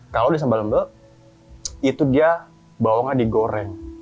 kalau di sambal mba itu dia bawangnya digoreng